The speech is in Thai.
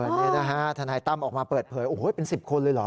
วันนี้นะฮะทนายตั้มออกมาเปิดเผยโอ้โหเป็น๑๐คนเลยเหรอ